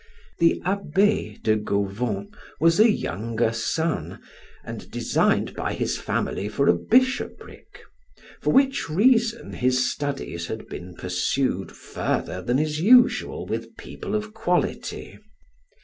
The Abbe de Gauvon was a younger son, and designed by his family for a bishopric, for which reason his studies had been pursued, further than is usual with people of quality.